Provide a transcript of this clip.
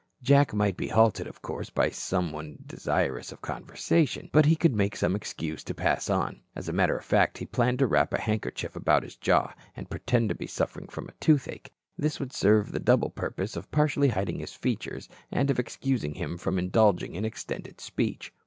Jack might be halted, of course, by some one desirous of conversation. But he could make some excuse to pass on. As a matter of fact he planned to wrap a handkerchief about his jaw and pretend to be suffering from toothache. This would serve the double purpose of partially hiding his features, and of excusing him from indulging in extended speech.